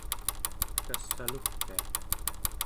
kass'alugpiaq